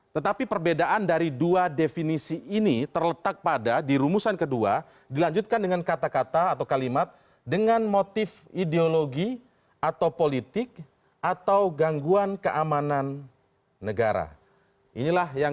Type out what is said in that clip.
tetapi perbedaan dari dua definisi ini terletak pada di rumusan ini di dalam kata kata fasilitas internasional